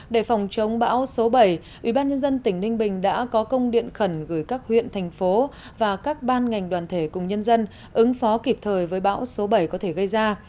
để phòng chống bão số bảy ubnd tỉnh ninh bình đã có công điện khẩn gửi các huyện thành phố và các ban ngành đoàn thể cùng nhân dân ứng phó kịp thời với bão số bảy có thể gây ra